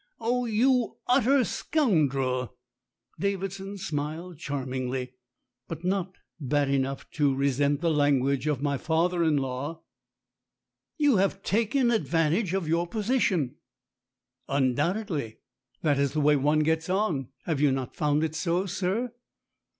"Oh, you utter scoundrel!" Davidson smiled charmingly. "But not bad enough to resent the language of my father in law." "You have taken advantage of your position." "Undoubtedly. That is the way one gets on. Have you not found it so, sir?"